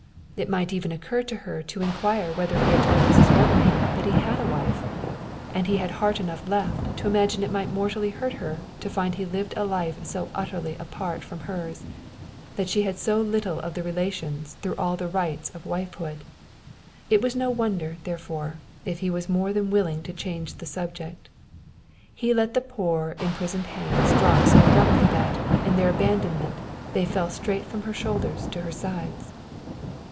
It might even occur to her to in quire whether he had told Mrs. Redmain that he had a wife! and he had heart enough left to imagine it might mortally hurt her to find he lived a life so utterly apart from hers that she had so little of the relations though all the rights of wifehood. It was no wonder, therefore, if he was more than willing to change the subject. He let the poor, imprisoned hands drop so abruptly that, in their abandonment, they fell straight from her shoulders to her sides.